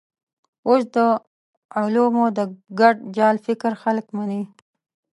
اوس د علومو د ګډ جال فکر خلک مني.